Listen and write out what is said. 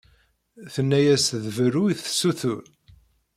Tenna-yas d berru i tessutur.